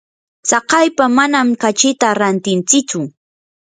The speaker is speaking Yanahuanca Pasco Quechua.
tsakaypa manami kachita rantintsichu.